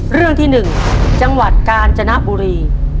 เรื่องที่๑จังหวัดกาญจนบุรี